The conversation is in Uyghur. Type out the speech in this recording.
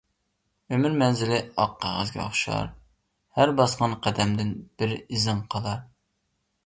ئۆمۈر مەنزىلى ئاق قەغەزگە ئوخشار، ھەر باسقان قەدەمدىن بىر ئىزىڭ قالار.